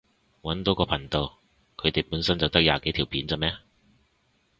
搵到個頻道，佢哋本身就得廿幾條片咋咩？